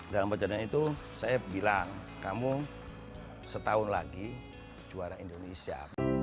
dalam perjalanan itu saya bilang kamu setahun lagi juara indonesia